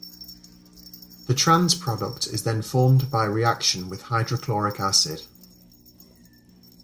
The trans product is then formed by reaction with hydrochloric acid.